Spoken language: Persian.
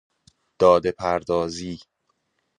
داده پردازی